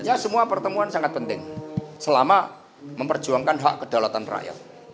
ya semua pertemuan sangat penting selama memperjuangkan hak kedaulatan rakyat